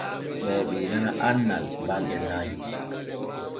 Ɓe ɓeydana annal ɓalɗe nay.